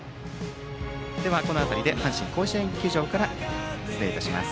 この辺りで阪神甲子園球場から失礼いたします。